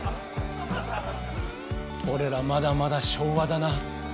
俺らまだまだ昭和だな。